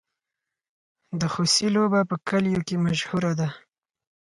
د خوسي لوبه په کلیو کې مشهوره ده.